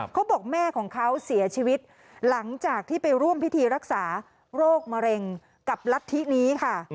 เขาบอกแม่ของเขาเสียชีวิตหลังจากที่ไปร่วมพิธีรักษาโรคมะเร็งกับรัฐธินี้ค่ะ